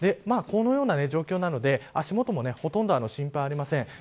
このような状況なので足元もほとんど心配ありません。